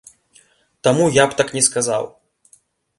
Таму я б так не сказаў.